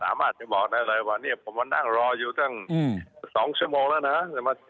สามารถจะบอกได้เลยว่าเนี่ยผมมานั่งรออยู่ตั้ง๒ชั่วโมงแล้วนะ